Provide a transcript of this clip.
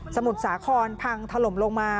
มุทรสาครพังถล่มลงมา